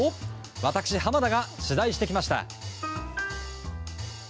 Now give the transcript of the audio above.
私、濱田が取材してきました。